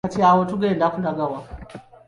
Kati awo tugenda kulaga wa?